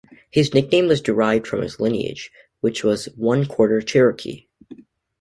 His nickname was derived from his lineage, which was one-quarter Cherokee.